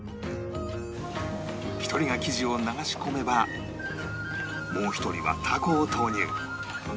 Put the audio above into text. １人が生地を流し込めばもう１人はタコを投入